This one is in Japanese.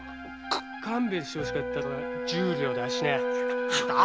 勘弁してほしかったから十両だしな。